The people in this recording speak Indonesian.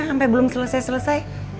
sampai belum selesai selesai